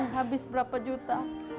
habis berapa juta